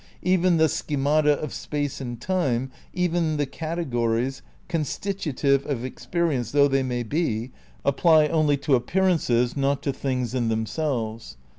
Even the schemata of space and time, even the categories, con stitutive of experience though they may be, apply only to appearances, not to things in themselves.